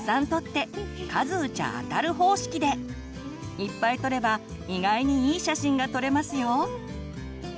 いっぱい撮れば意外にいい写真が撮れますよ！